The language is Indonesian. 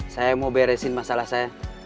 saya mau beresin masalah saya